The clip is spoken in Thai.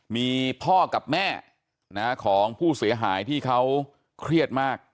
มีพ่อกับแม่ของผู้เสียหายที่เขาเครียดมาก